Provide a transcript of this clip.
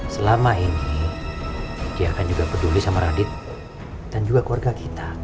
selama ini dia kan juga peduli sama radit dan juga keluarga kita